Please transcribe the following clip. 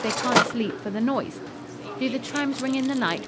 They can't sleep for the noise." "Do the chimes ring in the night?"